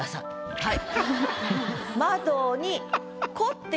はい。